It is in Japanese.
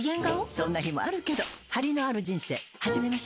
そんな日もあるけどハリのある人生始めましょ。